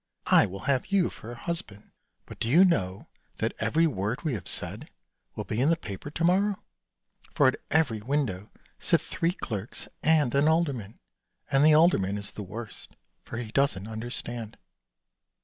I will have you for a husband. But do you know that every word we have said will be in the paper to morrow, for at every window sit three clerks and an alderman, and the alderman is the worst, for he doesn't understand."